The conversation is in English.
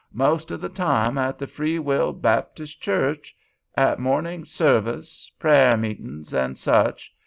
Most of the time at the Free Will Baptist church—at morning service, prayer meetings, and such.